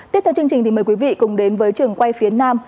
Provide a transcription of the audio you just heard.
tiếp theo chương trình thì mời quý vị cùng đến với trường quay phía nam